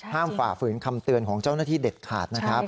ฝ่าฝืนคำเตือนของเจ้าหน้าที่เด็ดขาดนะครับ